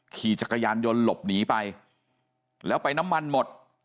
ขี่จักรยานยนต์หลบหนีไปแล้วไปน้ำมันหมด